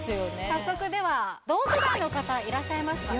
早速では同世代の方いらっしゃいますか？